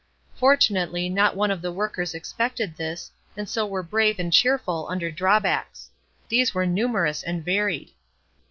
Fortunately, not one of the workers expected this, and so were brave and cheerful under drawbacks. These were numerous and varied.